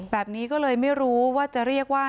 แบบนี้ก็เลยไม่รู้ว่าจะเรียกว่า